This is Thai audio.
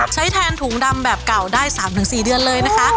ใช้แทนถุงดำแบบเก่าได้๓๔เดือนเลยนะคะ